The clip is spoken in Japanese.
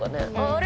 あれ？